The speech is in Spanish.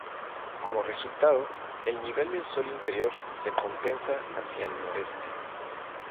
Como resultado, el nivel del suelo interior se compensa hacia el noreste.